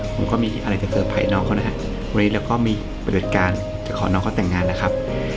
ผมก็มีอะไรจะเผยน้องเขานะครับวันนี้เราก็มีบริเวณการจะขอน้องเขาแต่งงานนะครับ